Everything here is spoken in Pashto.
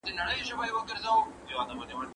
ادبي غونډې په انلاین بڼه ډېرې اغېزمنې دي.